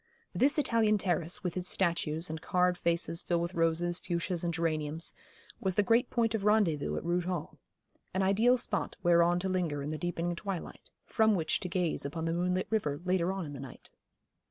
This Italian terrace, with its statues, and carved vases filled with roses, fuchsias, and geraniums, was the great point of rendezvous at Rood Hall an ideal spot whereon to linger in the deepening twilight, from which to gaze upon the moonlit river later on in the night.